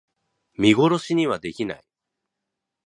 見殺しにはできない